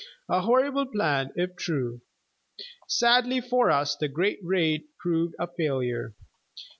A horrible plan, if true. Sadly for us, the great raid proved a failure.